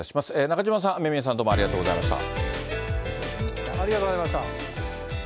中島さん、雨宮さん、どうもありがとうございました。